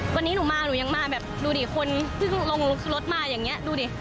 วันนี้หนูมาหนูยังมาแบบดูดิคนซึ่งลงรถมาอย่างนี้ดูดิ